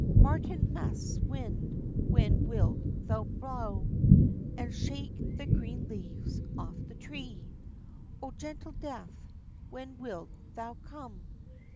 Martinmas wind, when wilt thou blaw, And shake the green leaves off the tree! O gentle Death, when wilt thou come?